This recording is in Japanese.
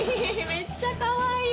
めっちゃかわいい！